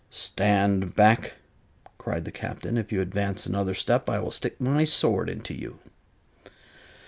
"Stand back!" cried the Captain. "If you advance another step I will stick my sword into you."